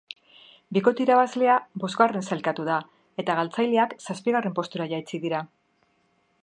Bikote irabazlea bosgarren sailkatu da eta galtzaileak zazpigarren postura jaitsi dira.